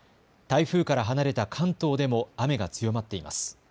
台風から離れた関東でも雨が強まっています。